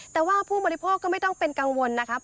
แต่ว่าผู้บริโภคก็ไม่ต้องเป็นกังวลนะครับ